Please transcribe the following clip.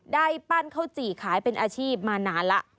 ได้ปั้นข้าวจี่ขายเป็นอาชีพมานานแล้ว